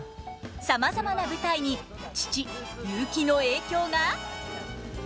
さまざまな舞台に父雄輝の影響が？